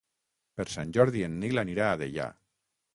Per Sant Jordi en Nil anirà a Deià.